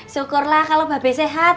syukurlah kalo mbak be sehat